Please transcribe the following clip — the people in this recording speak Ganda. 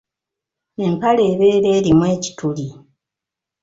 Empale ebeera erimu ekituli.